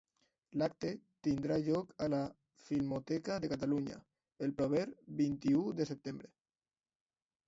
L'acte tindrà lloc a la Filmoteca de Catalunya, el proper vint-i-u de setembre.